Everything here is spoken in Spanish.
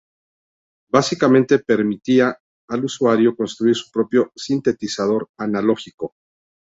Básicamente permitía al usuario construir su propio sintetizador analógico.